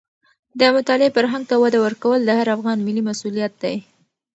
د مطالعې فرهنګ ته وده ورکول د هر افغان ملي مسوولیت دی.